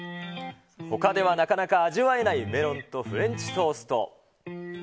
ほかではなかなか味わえないメロンとフレンチトースト。